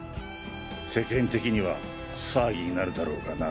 世間的には騒ぎになるだろうがな。